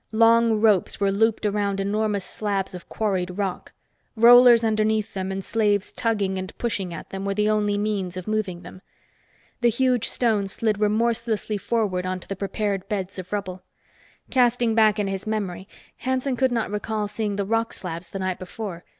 Long ropes were looped around enormous slabs of quarried rock. Rollers underneath them and slaves tugging and pushing at them were the only means of moving them. The huge stones slid remorselessly forward onto the prepared beds of rubble. Casting back in his memory, Hanson could not recall seeing the rock slabs the night before.